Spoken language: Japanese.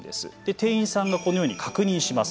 店員さんがこのように確認します。